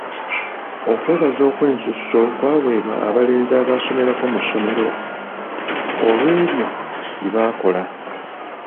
Okwebaza okwensuso kwawebwa abalenzi abaasomerako mu ssomero olw'ebyo bye baakola.